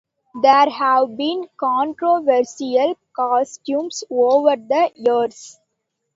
There have been controversial costumes over the years.